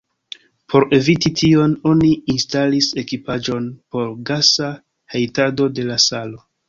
Por eviti tion, oni instalis ekipaĵon por gasa hejtado de la salo.